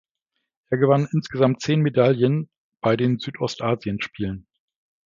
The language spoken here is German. Er gewann insgesamt zehn Medaillen bei den Südostasienspielen.